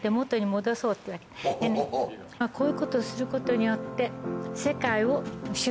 こういうことをすることによって。